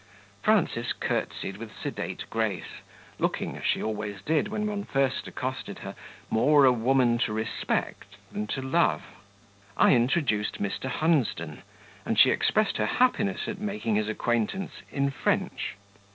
Frances curtsied with sedate grace, looking, as she always did, when one first accosted her, more a woman to respect than to love; I introduced Mr. Hunsden, and she expressed her happiness at making his acquaintance in French.